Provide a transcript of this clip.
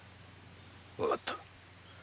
わかった。